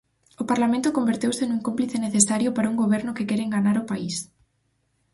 O Parlamento converteuse nun cómplice necesario para un goberno que quere enganar o país.